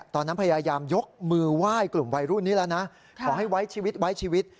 พยายามยกมือไหว้กลุ่มวัยรุ่นนี้แล้วนะขอให้ไว้ชีวิตไว้ชีวิต